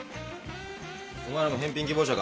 お前らも返品希望者か？